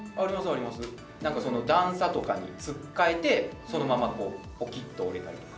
なんか、段差とかにつっかえて、そのままぽきっと折れたりとか。